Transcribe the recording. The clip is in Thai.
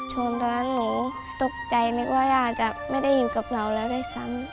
ชนแล้วหนูตกใจนึกว่ายาจะไม่ได้อยู่กับเราแล้วบ้างเลยซ้ำ